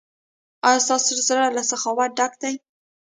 ایا ستاسو زړه له سخاوت ډک دی؟